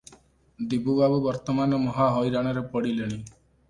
ଦିବୁବାବୁ ବର୍ତ୍ତମାନ ମହା ହଇରାଣରେ ପଡିଲେଣି ।